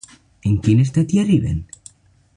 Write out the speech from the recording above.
En quin estat hi arriben?